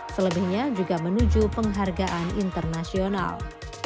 selebihnya juga menuju penghargaan internasional